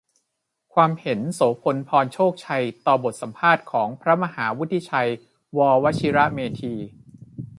ความเห็น โสภณ พรโชคชัย ต่อบทสัมภาษณ์ของพระมหาวุฒิชัย ว.วชิรเมธี